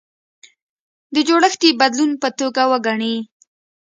د جوړښتي بدلون په توګه وګڼي.